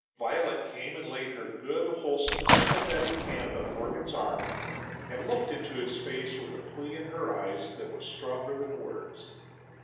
Violet came and laid her good wholesome, sympathetic hand on Morgan's arm and looked into his face with a plea in her eyes that was stronger than words.